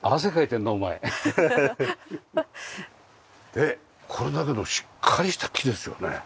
でこれだけどしっかりした木ですよね。